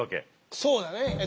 そうだね。